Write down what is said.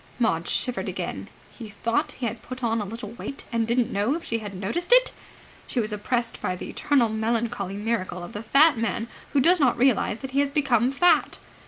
Maud shivered again. He thought he had put on a little weight, and didn't know if she had noticed it! She was oppressed by the eternal melancholy miracle of the fat man who does not realize that he has become fat.